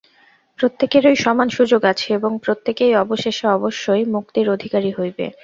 প্রত্যেকেরই সমান সুযোগ আছে এবং প্রত্যেকেই অবশেষে অবশ্যই মুক্তির অধিকারী হইবে।